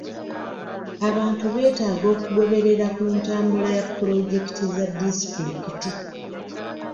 Abantu betaaga okugoberera ku ntambula ya pulojekiti za disitulikiti.